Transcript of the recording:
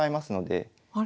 あれ？